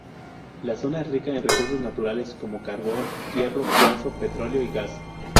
La zona es rica en recursos naturales como:carbón, hierro, cuarzo, petróleo y gas.